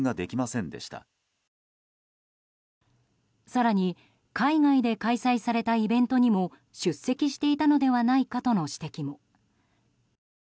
更に海外で開催されたイベントにも出席していたのではないかとの指摘も。